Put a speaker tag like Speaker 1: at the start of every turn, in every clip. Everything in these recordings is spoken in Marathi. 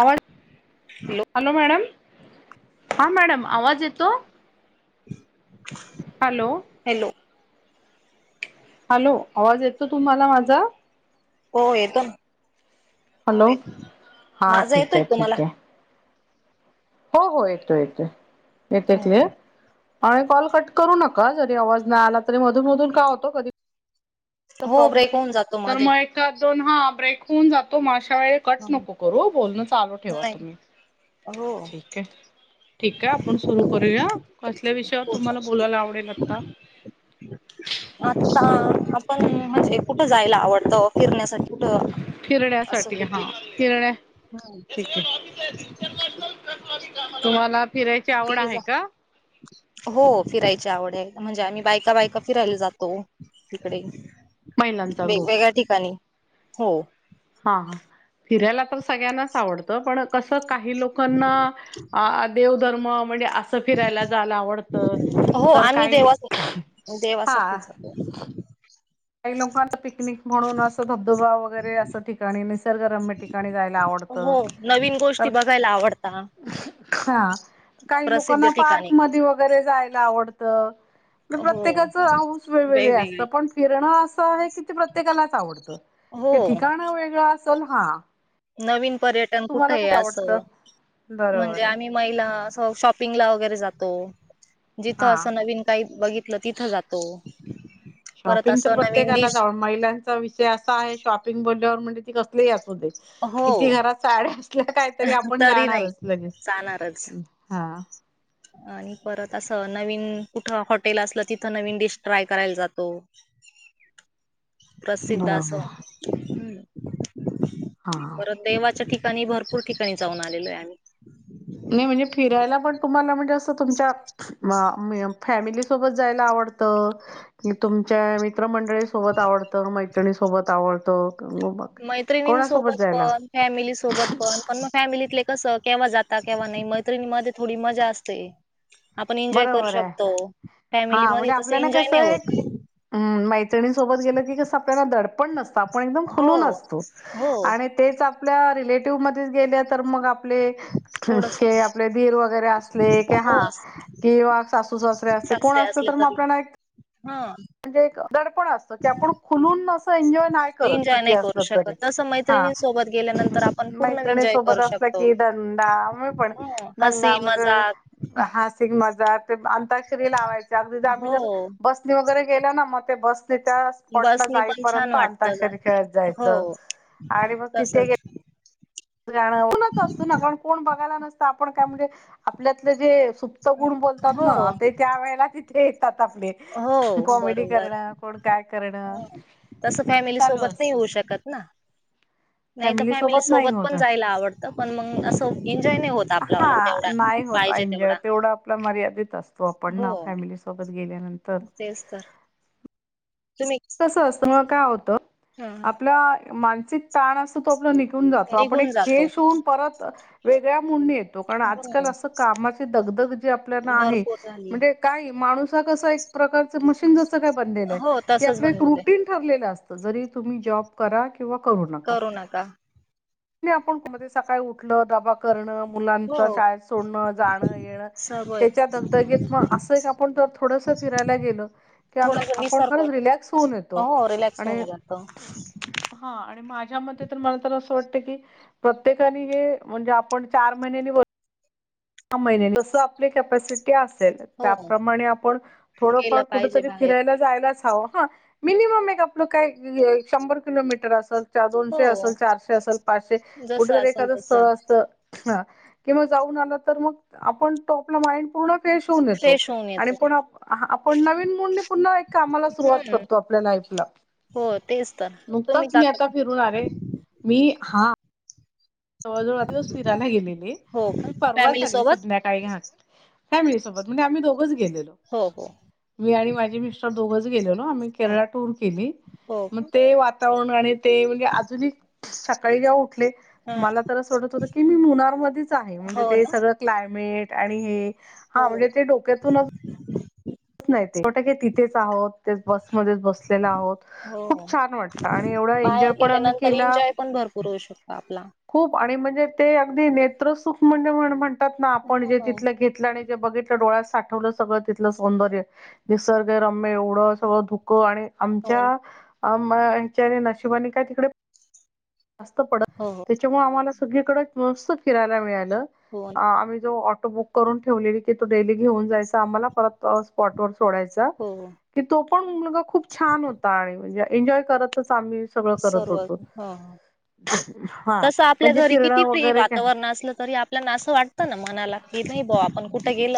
Speaker 1: अळ हॅलो मॅडम हा मॅडम आवाज येतो हॅलो
Speaker 2: हॅलो
Speaker 1: हॅलो आवाज येत तो तुम्हाला माझा
Speaker 2: हो येतो ना
Speaker 1: हॅलो हा
Speaker 2: माझा
Speaker 1: ठीक
Speaker 2: येतोय
Speaker 1: आहे
Speaker 2: तुम्हाला
Speaker 1: ठीक आहे हो हो येतो येतो येते क्लिअर आणि कॉल कट करू नका जरी आवाज नाही आला तरी मधून मधून का होतो कधी
Speaker 2: हो
Speaker 1: ॉब्ले
Speaker 2: ब्रेक होऊन जातो
Speaker 1: तर
Speaker 2: मध्ये
Speaker 1: मग ए दोन हा ब्रेक होऊन जातो म व कट नको करू बोलण चालू ठेवा
Speaker 2: नाही
Speaker 1: तुम्ही
Speaker 2: हो
Speaker 1: ठीक आहे ठीक आहे आपण सुरू करूया कसल्या विषयावर तुम्हाला बोलायला आवडेल आता
Speaker 2: आता आपण म्हणजे कुठं जायला आवडतं फिरण्यासाठी उठ
Speaker 1: फिरण्यासाठी हा फिरण्या ठीक आहे तुम्हाला फिरायची आवड
Speaker 2: टीव्ही
Speaker 1: आहे का
Speaker 2: हो फिरायची आवड आहे म्हणजे आम्ही बायका बायका फिरायला जातो तिकडे
Speaker 1: महिलांचा ग्रुप
Speaker 2: वेगवेगळ्या ठिकाणी हो
Speaker 1: सगळ्यांना आवडत पण क काही लोकांना देधर्म म्हणजे असं फिरायला जायला आवडत
Speaker 2: हो
Speaker 1: तर
Speaker 2: आम्ही
Speaker 1: काही
Speaker 2: देवा
Speaker 1: हा
Speaker 2: देवासाठीच जातो
Speaker 1: काही लोकांना पिकनिक म्हणून असं धबधबा वगैरे असं ठिकाणी रम्य ठिकाणी जायला आवडत
Speaker 2: हो नवीन
Speaker 1: तर
Speaker 2: गोष्टी बघायला आवडता
Speaker 1: ह काही
Speaker 2: प्रसिद्ध
Speaker 1: लोकांना
Speaker 2: ठिकाणी
Speaker 1: पार्क म वगैरे जाय
Speaker 2: हो
Speaker 1: प्रत्येकाच हस वेगग असत
Speaker 2: वेगवेगळी
Speaker 1: पण फिरणं असं आहे कि ते प्रत्येकालाच आवडत
Speaker 2: हो
Speaker 1: ते ठिकाण वेगळं असल हा
Speaker 2: नवीन पर्यटन कुठे
Speaker 1: तुम्हाला
Speaker 2: आहे
Speaker 1: आवडतं
Speaker 2: असं म्हणजे
Speaker 1: बरोबर आहे
Speaker 2: आम्ही महिला शॉपिंगला वगैरे जातो जिथं
Speaker 1: हा.
Speaker 2: असं नवीन काही बघितलं तिथं जातो परत
Speaker 1: शॉपिंग तर
Speaker 2: असं नवीन
Speaker 1: प्रत्येकाला
Speaker 2: डिश
Speaker 1: जाव महिलांचा विषय असा आहे शॉपिंग बोलल्यावर म्हणजे ती कसली अस
Speaker 2: हो
Speaker 1: किती घरात साड्या असल्या काहीतरी आपण
Speaker 2: तरी नाही
Speaker 1: जाणारच लगेच
Speaker 2: जाणारच.
Speaker 1: हा
Speaker 2: आणि परत असं नवीन कुठ हॉटेल असलं तिथं नवीन डिश ट्राय करायला जातो प्रसिद्ध असो
Speaker 1: बरोबर हा.
Speaker 2: परत देवाच्या ठिकाणी भरपूर ठिकाणी जाऊन आलेलो आहे आम्ही
Speaker 1: नाही म्हणजे फिरायला पण तुम्हाला म्हणजे असं तुमच्या फॅमिली सोबत जायला आवडत तुमच्या मित्रमंडळी सोबत आवडत म सोबत आवडतं क- मग
Speaker 2: मैत्रिणीं
Speaker 1: कोणासोबत
Speaker 2: सोबत
Speaker 1: जायला आवडतं?
Speaker 2: पण फॅमिली सोबत पण पण मग फॅमिलीत कस केव्हा जाता केव्हा नाही मैत्रिणीमध्ये थोडी मजा असते आपण एन्जॉय करू
Speaker 1: बरोबर आहे
Speaker 2: शकतो फॅमिलीमध्ये तस एन्जॉय नाही होत
Speaker 1: हम मैत्रिं सोबत गेलं की कसं आपल्याला दड णत आप
Speaker 2: हो
Speaker 1: एकुतो
Speaker 2: हो
Speaker 1: आपल्या रिलेटिव्ह मध्ये गेल्या तर मग आपले
Speaker 2: थोडस
Speaker 1: हे आपले धीर वगैरे असले क हा
Speaker 2: हो
Speaker 1: किंवा सासू सासरे असते कोण असते
Speaker 2: असले
Speaker 1: तर मग
Speaker 2: तरी
Speaker 1: आपल्याला एक
Speaker 2: हा
Speaker 1: म्हणजे एक दडपण असत की आपण खुलून अस एन्जॉय नाही करत
Speaker 2: एन्जॉय
Speaker 1: किती
Speaker 2: नाही करू
Speaker 1: असलं तरी
Speaker 2: शकत तसं
Speaker 1: हा
Speaker 2: मैत्रिणी सोबत गेल्यानंतर आपण पूर्ण
Speaker 1: मैत्रिणी
Speaker 2: एन्जॉय करू
Speaker 1: सोबत असला
Speaker 2: शकतो
Speaker 1: कि दंदा म पण
Speaker 2: हो हसी
Speaker 1: दंगा
Speaker 2: मजाक
Speaker 1: म्ह हसिक मजा ते अंताक्षरी लावायच अगदी आम्ही
Speaker 2: हो
Speaker 1: जर बसनी वगैरे गेल ना मग ते बस त्या स्पॉटला
Speaker 2: बसनी पण छान
Speaker 1: जाईपर्यंत
Speaker 2: वाटत
Speaker 1: अंताक्षरी खेळ
Speaker 2: हो
Speaker 1: जायचं आणि मस तिथे गे
Speaker 2: तसच
Speaker 1: कोणच असतो ना कारण कोण बघायला नसत आपण काय म्हणजे आपल्यातलं जे सुप्त गुण बोलतात
Speaker 2: हो
Speaker 1: ना ते त्या वेळेला तिथे आपले
Speaker 2: हो
Speaker 1: कॉमेडी
Speaker 2: बरोबर
Speaker 1: करणं कोण काय करणं
Speaker 2: हो. तसं
Speaker 1: ते
Speaker 2: फॅमिली
Speaker 1: चालू
Speaker 2: सोबत नाही
Speaker 1: असत
Speaker 2: येऊ शकत ना नाही तर फॅमिली सोबत पण जायला आवडतं पण मग असं एन्जॉय नाही होत आपल्याला तेवढा पा
Speaker 1: ज तेवढा आपला मर्यादित असतो आपण ना फॅमिलीसोबत गे
Speaker 2: तेस्तर
Speaker 1: कस असतं म काय होत
Speaker 2: हां हां.
Speaker 1: आपला मानसिक ताण असत तो आपला जातो आपण
Speaker 2: निघून
Speaker 1: एक
Speaker 2: जातो.
Speaker 1: फेस होऊन परत वेगळ्या मुं येतो कारण आजकाल
Speaker 2: हम्म
Speaker 1: असं कामाचे दगदग जे आपल्याला आहे
Speaker 2: भरपूर झाली.
Speaker 1: म्हणजे काही माणूस ह कस प्रकारच त क ू
Speaker 2: हो तसच बनलेलं आहे.
Speaker 1: नका आप सकाळी उलबा कर मुलां
Speaker 2: हो.
Speaker 1: शाळेत सोड जाण येण
Speaker 2: सवय
Speaker 1: त्याच्या दगदगीत अस आपण थोडस ला गे
Speaker 2: थोडस
Speaker 1: आप
Speaker 2: विसर पण
Speaker 1: खक् होऊन येतो
Speaker 2: हो रिलॅक्स होऊन जातं.
Speaker 1: हा आणि माझ्या म तर मला तर अस क प्रत्येकाने हे म्हणजे आपण चार महिन्यानी सहा महिने जस आपले कॅपॅसिटी असेल
Speaker 2: हो.
Speaker 1: त्याप्रमाणे आपण थोडफार
Speaker 2: गेलं पाहिजे
Speaker 1: कुठरी
Speaker 2: बाहेर.
Speaker 1: फिरायला जायलाच हवं ह मिनिमम एक आपलं काय शंभर किलोमीटर असेल
Speaker 2: हो.
Speaker 1: दोनशे असेल चारशे असल पाचशे
Speaker 2: जसं
Speaker 1: कुठेतरी
Speaker 2: असेल
Speaker 1: एखादं
Speaker 2: तसं
Speaker 1: स्थळ असत ह किंवा जाऊन आला तर मग आपण तो आपला माइंड पूर्ण शऊन येतो
Speaker 2: फ्रेश होऊन
Speaker 1: आणि
Speaker 2: येतो.
Speaker 1: पण आपण नवीन मुंडे पुन्हा एक कामाला सुरुवात
Speaker 2: हम्म.
Speaker 1: करतो आपल्या लाईफला
Speaker 2: हो तेच तर तुम्ही
Speaker 1: नुकताच
Speaker 2: ज
Speaker 1: मी आता फिरून आले मी हा जवळजवळ दिवस फिरायला गेलेले
Speaker 2: हो का
Speaker 1: मी परवा
Speaker 2: फॅमिली
Speaker 1: चाली
Speaker 2: सोबत?
Speaker 1: संध्याकाळी घ फॅमिली सोबत म्हणजे आम्ही दोघच गेलेलो
Speaker 2: हो हो.
Speaker 1: मी आणि माझी मिस्टर दोघच गेलो ना आ
Speaker 2: हो
Speaker 1: केरळ टूर केली
Speaker 2: हो.
Speaker 1: मग
Speaker 2: का?
Speaker 1: ते आणि ते म्हणजे अजूनही सकाळी जेव्हा उठले
Speaker 2: हां.
Speaker 1: मला तर असं वाटत होतं की मी मुनारमध्येच आहे म्हणजे
Speaker 2: हो
Speaker 1: ते
Speaker 2: ना
Speaker 1: सगळं क्लायमेट आणि हे
Speaker 2: हो
Speaker 1: हा म्ह ते डोक्यातूनच नाही ोटंक तिथेच आहोत बसमध्येध्येच बसलेला आहोत
Speaker 2: हो
Speaker 1: खूप छान वाटला आणि एवढा एन्जॉय पण आम्ही केला
Speaker 2: भररू शकतो आपला.
Speaker 1: खूप आणि म्हणजे ते अगदी नेत्रसुख म्हणजे म्हणतात ना आपण
Speaker 2: हो
Speaker 1: जे तिथलं घेतलं आणि. े बघितलं डोळ्यात साठवलं सगळं तिथल. सौंदर्य निसर्ग रम्य एवढं सगळं धुकं आणि आमच्या
Speaker 2: हो
Speaker 1: अ हच्या नशिबाने काय तिकडे. जास्त पडत
Speaker 2: हो
Speaker 1: त्याच्यामुळे आम्हाला सगळीकडे मस्त फिरायला मिळालं
Speaker 2: हो
Speaker 1: आम्ही जो बुक करून ठेवलेली की तू डेली घेऊन जायच आम्हाला परत स्पॉटवर. सोडायचा
Speaker 2: हो
Speaker 1: की तो पण मुलगा खूप छान होता आणि म्हणज एन्जॉय करतच. आम्ही सगळ करत
Speaker 2: सर्व
Speaker 1: होतो.
Speaker 2: हो हो
Speaker 1: हा
Speaker 2: तसं आपल्या
Speaker 1: म्हणजे
Speaker 2: घरी किती
Speaker 1: फिरणं
Speaker 2: फि
Speaker 1: वगैरे
Speaker 2: वातावरण असलं तरी आपल्याना असं वाटतं ना मना. नाहीब्यां आपण कुठे गेल.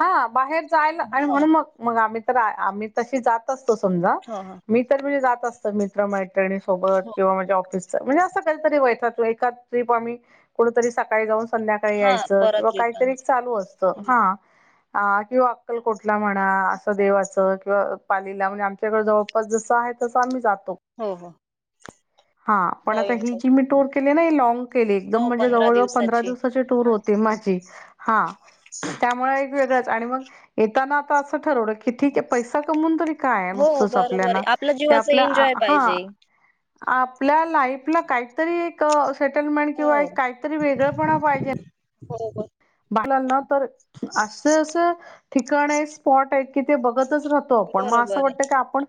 Speaker 1: हा बाहेर जायला आणि
Speaker 2: ह
Speaker 1: म्हणून मग मग आम्ही. तर आम्ही तशी जात असतो समजा
Speaker 2: हो हो
Speaker 1: मी तर म्हे जात असत मित्र मा. मैत्रीणी सोबत
Speaker 2: हो
Speaker 1: किंवा माझे ऑफिसच म्हणजे असं कधतरी वतात एका ट्रिप आम्ही कुतरी सकाळी जाऊन संध्याकाळी
Speaker 2: हा
Speaker 1: यायचं किंवा
Speaker 2: परत
Speaker 1: काय.
Speaker 2: रिटर्न
Speaker 1: चालु असत हा किव्हा अक्कलकोट कठ. म्हणा असं देवाच किंवा पालीला म्हणजे आमच्याकडे जवळपास जसं आहे तसं आम्ही जातो.
Speaker 2: हो हो.
Speaker 1: हा पण आता
Speaker 2: नवीन
Speaker 1: ही
Speaker 2: काही
Speaker 1: जी मी टूर केली ना लँग. केली एकदंम
Speaker 2: हो
Speaker 1: म्हणजे
Speaker 2: पंधरा
Speaker 1: जवळ जवळ पंधरा दिवसाची टूर होती माजी हा त्यामुळे. ग येता आता. ठरव की ठीक आहे पैसा कमवून तरी काय
Speaker 2: हो
Speaker 1: नुसतंच
Speaker 2: बरोबर आहे
Speaker 1: आपल्याना
Speaker 2: आपल्या जीवाचा
Speaker 1: आपल्या
Speaker 2: एन्जॉय
Speaker 1: हा.
Speaker 2: [inaudible]
Speaker 1: आपल्या लाईफला काहीतरी एक. सेटलमेंट
Speaker 2: हो
Speaker 1: किंवा काहीतरी वेगळं पण पाहिजे.
Speaker 2: हो बर.
Speaker 1: तर अस अस ठिकाण आहे स्पॉट कि ते बघत. रातो अस
Speaker 2: बरोबर आहे
Speaker 1: वाट आपण.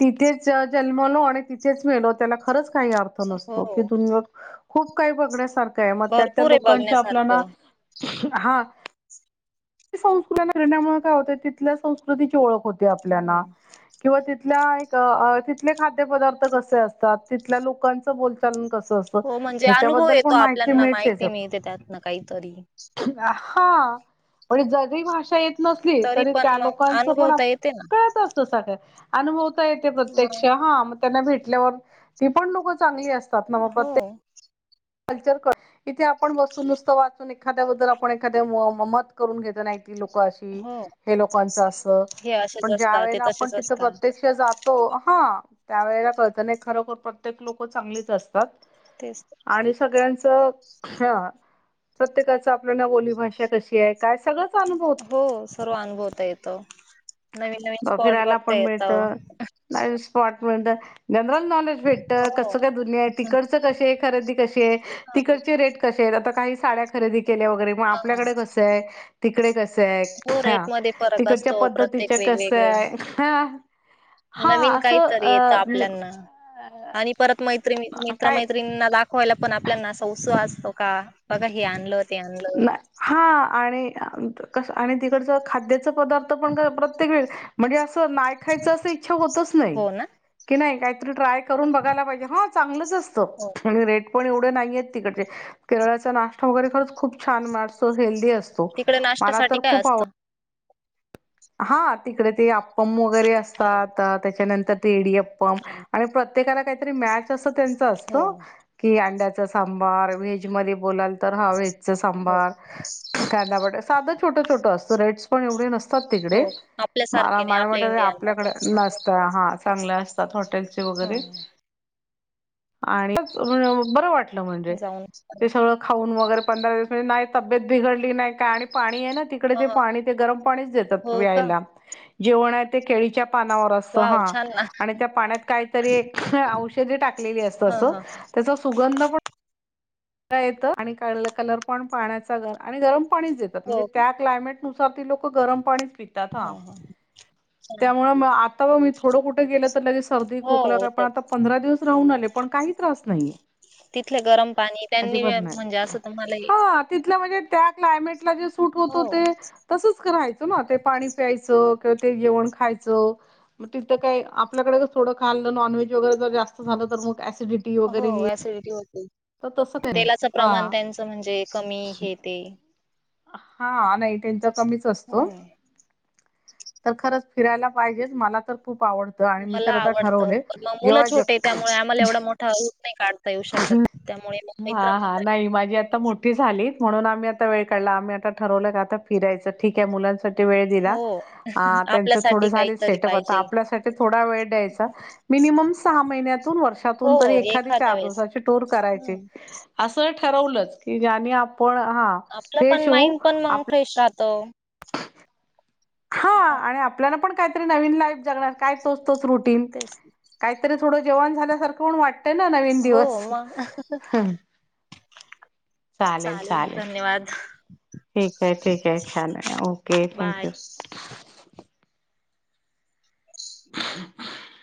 Speaker 1: तिथेच जन्मलो आणि तिथेच मेलो त्याला खरंच काही अर्थ
Speaker 2: हो
Speaker 1: नसतो की तुम्ही. खूप काही बघण्यासारखं आहे मग त्या त्या
Speaker 2: भरपूर आहे
Speaker 1: लोकांच्या आपल्याला.
Speaker 2: बघण्यासारखं
Speaker 1: हा. संस्कृतीण्यामुळे काय होत तिथल्या संस्कृतीची ओळख होते आपल्याना
Speaker 2: हम्म.
Speaker 1: किंवा त. तिथ तिथले खाद्य पदार्थ कसे असतात तिथल्या लोकांचं बोलचालन कस.
Speaker 2: हो म्हणजे अनुभव
Speaker 1: हच्याबद्दल
Speaker 2: येतो
Speaker 1: पण माहिती
Speaker 2: आपल्याना
Speaker 1: मिळ त्याच.
Speaker 2: माहिती मिळते त्यातन काहीतरी
Speaker 1: हा म्हणजे जरी भाषा येत. नसली तरी
Speaker 2: पण
Speaker 1: त्या
Speaker 2: मग
Speaker 1: लोकांच पण
Speaker 2: अनुभवता येते ना
Speaker 1: कळत असत सगळ अनुभव. प्रत्यक्ष
Speaker 2: मग
Speaker 1: हा मग त्यांना भेटल्यावर ती पण लोक चांगली असात.
Speaker 2: हो.
Speaker 1: कल्चर क इथे आपण बसून नुसतं वाचून एखाद्या बद्दल आपण एखाद्या मत करून घेत नाही. लोक अशी
Speaker 2: हो
Speaker 1: हे लोकांच असं.
Speaker 2: हे असेच
Speaker 1: पण ज्या
Speaker 2: असतात ते
Speaker 1: वेळेला आपण
Speaker 2: तसेच
Speaker 1: तिथं
Speaker 2: असतात
Speaker 1: प्रत्यक्ष जातो हा. त्यावेेळेला कळतना खरोखर प्रत्येक लोक चांगलीच असतात.
Speaker 2: तेच. तर.
Speaker 1: आणि सगळ्यांचं ह प्रत्येकाच आपल्याला बोलीभाषा कशी आहे काय. सगळंच अनुभवत.
Speaker 2: हो सर्व अनुभवता येत. नवीन नवीन स्पॉट
Speaker 1: फिरायला
Speaker 2: बघता
Speaker 1: पण मिळत स्पॉट मिळत गरा. भे क
Speaker 2: हो हां.
Speaker 1: कायु तड क खरेदी कशी आहे तड रेट क आ. साड्या खरेदी केल्या वगैरे मग आपल्याकडे कस आहे तिकडे कसं आहे
Speaker 2: हो रेट
Speaker 1: हा.
Speaker 2: मध्ये फरक
Speaker 1: तिकडच्या
Speaker 2: असतो प्रत्येक
Speaker 1: पद्धतीच्या कस
Speaker 2: वेगवेगळे
Speaker 1: आहे ह.
Speaker 2: नवीन काहीत येतं आपल्याना. आणि परत मैत्री
Speaker 1: अ
Speaker 2: मित्र
Speaker 1: काय
Speaker 2: मैत्रीणीना दाख होयला पण आपल्याना सौस असतो का बघा हे आणलं. ते आणलं
Speaker 1: हा आणि कस आणि तिकडचं खाद्याचं पदार्थ पण प्रत्येक वे म्हणजे असं नाही खायचं अस इच्छा होतच नाही.
Speaker 2: हो ना
Speaker 1: की नाही काहीतरी ट्राय करून बघायला पाहिजे हा चांगलंच असतं
Speaker 2: हो
Speaker 1: आणि रेट पण एवढे नाहीय तिकडचे केरळचा नाश्ता वगैरे खरंच खूप छान मारतो हेल्दी असतो.
Speaker 2: तिकडे
Speaker 1: मला
Speaker 2: नाश्त्यासाठी
Speaker 1: तर
Speaker 2: काय
Speaker 1: खूप आवड
Speaker 2: असतं.
Speaker 1: हा तिकडे ते अप्पम वगैरे
Speaker 2: हो
Speaker 1: असतात. त्याच्यानंतर येडी अप्पम आणि प्र प्रत्येकाला काहीतरी मॅच अस त्यांच असत
Speaker 2: हो
Speaker 1: की अंड्याच सांबार व्हेजमध्ये बोलाल. तर हा व्हेजच
Speaker 2: हो
Speaker 1: सांबार कांदा बटाटा साधं छोटं छोटं असतं रेट्स पण एवढे नसतात. तिकडे
Speaker 2: हो आपल्यासारखे नाही
Speaker 1: मला-मला
Speaker 2: आपल्या
Speaker 1: म्ह आपल्याकडे
Speaker 2: इंडियनमध्ये
Speaker 1: नसत. हा चांगल असत. हॉटेलचे वगैरे
Speaker 2: हा
Speaker 1: आणि बर वाटतं म्हणजे
Speaker 2: जाऊन
Speaker 1: ते सगळं खाऊन वगैरे पंधरा दिवस नाही तब्बेत बिडली नाही. आणि पाणी तेन तिकडे
Speaker 2: ह
Speaker 1: पाणी ते गरम पाणी देतात
Speaker 2: हो का
Speaker 1: प्यायला जेवण केळीच्या पानावर असत
Speaker 2: वाव
Speaker 1: हा
Speaker 2: छान ना
Speaker 1: आणि त्या पाण्यात काहीतरी औषधे टाकलेली असत
Speaker 2: ह
Speaker 1: अस
Speaker 2: ह
Speaker 1: त्याचा सुगंध पण
Speaker 2: [inaudible]
Speaker 1: येत आणि काढ कलर पण पाण्याचा आणि गरम पाणीच देतात म्हणजे
Speaker 2: हो का
Speaker 1: त्या क्लायमेट ती लोक सुद्धा गरम पाणीच पितात.
Speaker 2: हा हा छान.
Speaker 1: त्यामुळं मग आप आता ब मी थोडं कुठं गेलं तर लगेच सर्दी खोकला
Speaker 2: हो
Speaker 1: काय पण
Speaker 2: तर
Speaker 1: आता पंधरा दिवस राहून आले पण काही त्रास नाही.
Speaker 2: तिथले गरम पाणी त्यांनी
Speaker 1: अजिबात
Speaker 2: म्हणजे
Speaker 1: नाही
Speaker 2: असं तुम्हाला हे-
Speaker 1: हा तिथल म्हणजे त्या क्लामेटला जे सूट होतो
Speaker 2: हो
Speaker 1: ते तसं राहायचं नां ते पाणी प्यायचं किंवा ते जेवण खायच तिथ काय आपल्याकडे थोडं खाल नॉनव्हेज शुगर जर जास्त झालं तर मग ऍसिडिटी वगैरे येईल. तर तसं काय नाही
Speaker 2: तेलाच प्रमाण
Speaker 1: हा
Speaker 2: त्यांचं म्हणजे कमी हे ते
Speaker 1: हा नाही त्यांचा कमीच असतो.
Speaker 2: हम्म
Speaker 1: तर खरंच फिरायला पाहिजेच मला तर खूप आवडत आणि मी
Speaker 2: मला
Speaker 1: तर आता
Speaker 2: आवडतं
Speaker 1: ठरवले
Speaker 2: पण मग मुलं
Speaker 1: जेव्हा
Speaker 2: छोटे त्यामुळे आम्हाला
Speaker 1: ज
Speaker 2: एवढा मोठा रूट नाही काढता येऊ शकत. त्यामुळे मग मित्र
Speaker 1: हा-हा
Speaker 2: मैत्रिणी
Speaker 1: नाही माझी आता मोठी झालीत. म्हणून आम्ही आता वेळ काढला आम्ही आता ठरवलं का आता फिरायचं ठीक आहे मुलांसाठी वेळ दिला.
Speaker 2: हो
Speaker 1: हा त्यांच थोड
Speaker 2: आपल्यासाठी
Speaker 1: झाले
Speaker 2: काहीतरी
Speaker 1: सेटअप आता
Speaker 2: पाहिजे
Speaker 1: आपल्यासाठी थोडा वेळ द्यायचा मिनिमम सहा महिन्यात व
Speaker 2: हो
Speaker 1: वर्षातून तरी एखादी
Speaker 2: एखाद्या वेळेस
Speaker 1: टूर करायची
Speaker 2: हम्म.
Speaker 1: अस ठरवलंच कि ज्याने आपण पण हा
Speaker 2: आपलं पण
Speaker 1: फ्रेश होऊ
Speaker 2: माइंड पण मग
Speaker 1: आप
Speaker 2: फ्रेश राहतं.
Speaker 1: हा आणि आपल्याला पण काहीतरी नवीन लाईफ जगणार काय तोच तोच रुटीन
Speaker 2: तेच.
Speaker 1: काहीतरी थोड जेवाण झाल्यासारखं पण वाटतंय. आहे ना नवीन
Speaker 2: हो
Speaker 1: दिवस
Speaker 2: मग चालेल धन्यवाद
Speaker 1: ठीक आहे-ठीक आहे छान आहे. Okay thank
Speaker 2: bye.
Speaker 1: यू [inaudible]